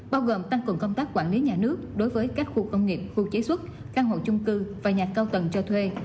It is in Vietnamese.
bao gồm tăng cường công tác quản lý nhà nước đối với các khu công nghiệp khu chế xuất căn hộ chung cư và nhà cao tầng cho thuê